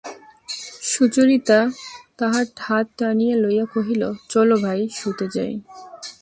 সুচরিতা তাহার হাত টানিয়া লইয়া কহিল, চলো ভাই, শুতে যাই।